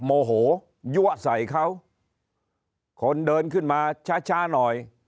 โมโหยั่วใส่เขาคนเดินขึ้นมาช้าช้าหน่อย